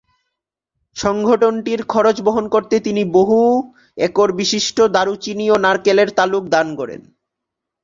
সংগঠনটির খরচ বহন করতে তিনি বহু-একরবিশিষ্ট দারুচিনি ও নারকেলের তালুক দান করেন।